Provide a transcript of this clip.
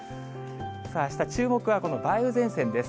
さあ、あした注目はこの梅雨前線です。